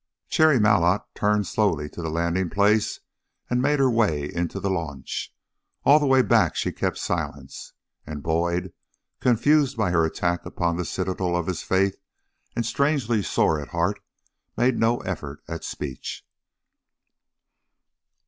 Cherry Malotte turned slowly to the landing place and made her way into the launch. All the way back she kept silence, and Boyd, confused by her attack upon the citadel of his faith and strangely sore at heart, made no effort at speech.